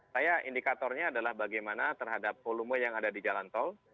saya indikatornya adalah bagaimana terhadap volume yang ada di jalan tol